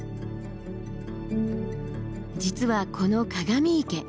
実はこの鏡池